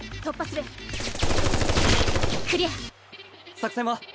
作戦は？